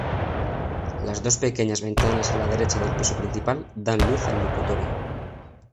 Las dos pequeñas ventanas a la derecha del piso principal, dan luz al locutorio.